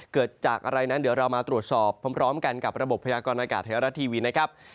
เกิดจากอะไรนั้นเดี๋ยวเรามาตรวจสอบพร้อมกันกับระบบพยากรณากาศไทยรัฐทีวีนะครับ